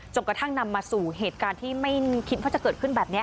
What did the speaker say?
กระทั่งนำมาสู่เหตุการณ์ที่ไม่คิดว่าจะเกิดขึ้นแบบนี้